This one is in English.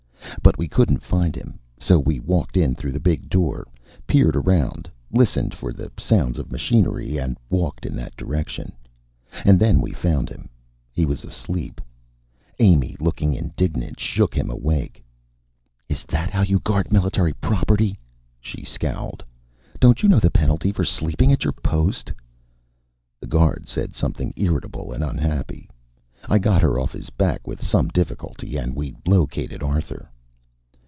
But we couldn't find him. So we walked in through the big door, peered around, listened for the sounds of machinery and walked in that direction. And then we found him; he was sound asleep. Amy, looking indignant, shook him awake. "Is that how you guard military property?" she scolded. "Don't you know the penalty for sleeping at your post?" The guard said something irritable and unhappy. I got her off his back with some difficulty, and we located Arthur.